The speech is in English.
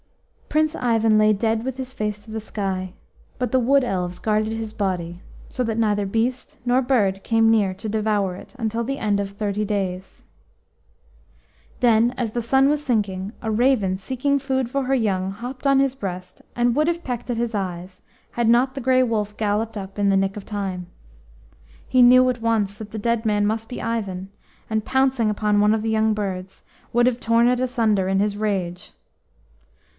Prince Ivan lay dead with his face to the sky, but the wood elves guarded his body, so that neither beast nor bird came near to devour it until the end of thirty days. Then, as the sun was sinking, a raven seeking food for her young, hopped on his breast, and would have pecked at his eyes had not the Grey Wolf galloped up in the nick of time. He knew at once that the dead man must be Ivan, and pouncing upon one of the young birds, would have torn it asunder in his rage.